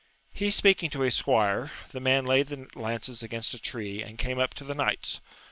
He speaking to his squire, the man laid the lances against a tree, and came up to the knights.